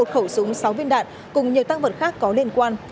một khẩu súng sáu viên đạn cùng nhiều tăng vật khác có liên quan